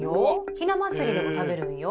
ひな祭りでも食べるんよ。